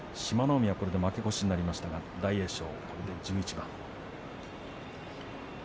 海はこれで負け越しになりましたが大栄翔はこれで１１番。